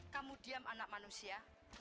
kamu diam anak manusia